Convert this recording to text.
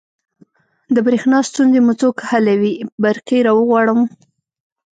د بریښنا ستونزې مو څوک حلوی؟ برقي راغواړم